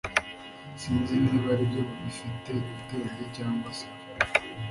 Sinzi niba aribyo bifite ubwenge cyangwa sibyo